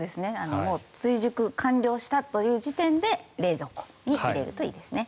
もう追熟完了したという時点で冷蔵庫に入れるといいですね。